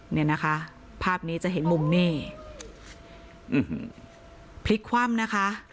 เนี่ยนะคะภาพนี้จะเห็นมุมนี่พลิกคว่ำนะคะ